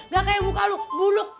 gak kayak muka buluk